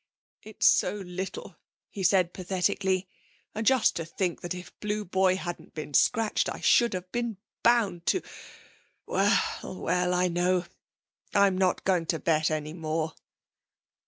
'It's so little,' he said pathetically, 'and just to think that if Blue Boy hadn't been scratched I should have been bound to Well, well, I know. I'm not going to bet any more.'